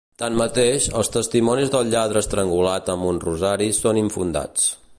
Tanmateix, els testimonis del lladre estrangulat amb un rosari són infundats.